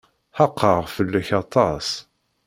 Xaqeɣ fell-ak aṭas.